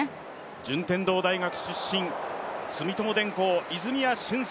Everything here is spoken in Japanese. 順天堂大学出身、住友電工泉谷駿介